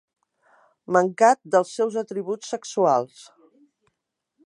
Mancat dels seus atributs sexuals.